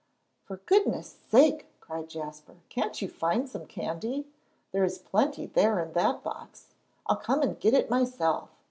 "For goodness' sake!" cried Jasper, "can't you find some candy? There is plenty there in that box. I'll come and get it myself."